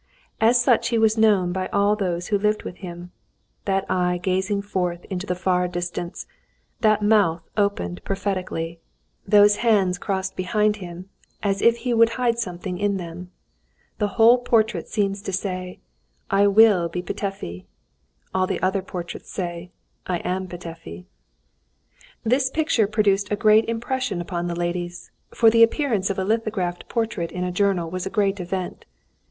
As such he was known by all those who lived with him, that eye gazing forth into the far distance, that mouth opened prophetically, those hands crossed behind him as if he would hide something in them. The whole portrait seems to say, "I will be Petöfi"; all the other portraits say, "I am Petöfi." This picture produced a great impression upon the ladies, for the appearance of a lithographed portrait in a journal was a great event.